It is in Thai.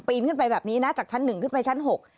ปีนขึ้นไปแบบนี้นะจากชั้น๑ขึ้นไปชั้น๖